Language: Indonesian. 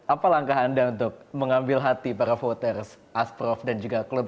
apa langkah anda untuk mengambil hati para voters asprof dan juga klub